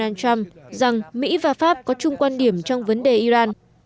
và tổng thống mỹ donald trump rằng mỹ và pháp có chung quan điểm trong vấn đề iran